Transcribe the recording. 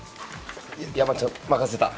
山ちゃん、任せた。